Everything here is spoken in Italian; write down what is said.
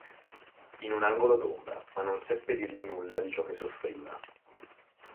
In un angolo d'ombra, ma non seppe dirgli nulla di ciò che soffriva.